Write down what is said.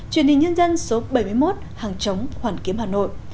truyền hình nhân dân số bảy mươi một hàng chống hoàn kiếm hà nội